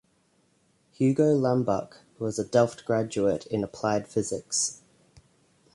Hugo Lambach was a Delft graduate in applied physics.